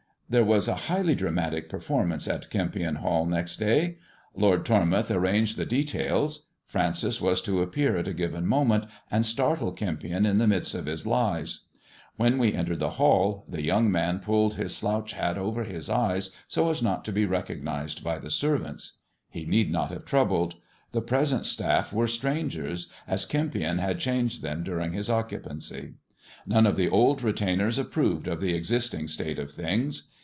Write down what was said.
There was a highly dramatic performance at Kempion Hall next day. Lord Tormouth arranged the details. Francis was to appear at a given moment, and startle Kempion in the midst of his lies. When we entered the Hall, the young man pulled his slouch hat over his eyes so as not to be recognized by the servants. He need not have troubled. The present staff were strangers, as Kempion had changed them during his occupancy. None of the old retainers approved of the existing state of things.